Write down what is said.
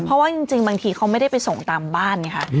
เพราะว่าจริงบางทีเขาไม่ได้ไปส่งตามบ้านไงค่ะ